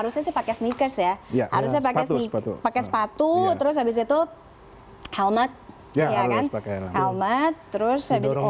pakai sneakers ya harusnya pakai sepatu pakai sepatu terus habis itu helmet helmet terus